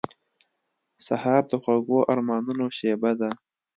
سهار د خوږو ارمانونو شېبه ده.